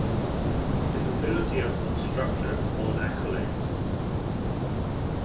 His ability as an instructor won accolades.